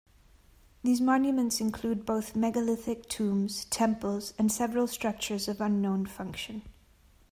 These monuments include both megalithic tombs, temples and several structures of unknown function.